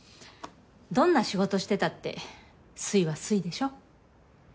どんな仕事してたって粋は粋でしょ。